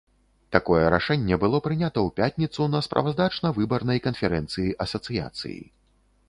Такое рашэнне было прынята ў пятніцу на справаздачна-выбарнай канферэнцыі асацыяцыі.